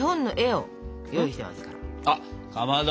あっかまど！